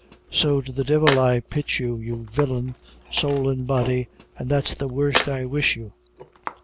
So to the divil I pitch, you, you villain, sowl and body, an' that's the worst I wish you.